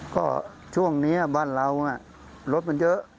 ก็ช่วงนี้บ้านเรารถมันเยอะ